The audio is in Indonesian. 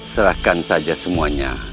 serahkan saja semuanya